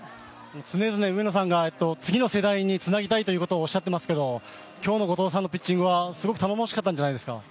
常々、上野さんが次の世代につなぎたいということをおっしゃってますけど今日の後藤さんのピッチングはすごく、頼もしかったんじゃないですか？